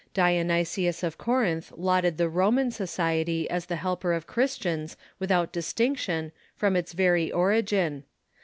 Dionysius of Corinth lauded the Roman so ciety as the helper of Christians, without distinction, from its very origin.